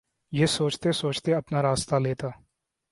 یہ سوچتے سوچتے اپنا راستہ لیتا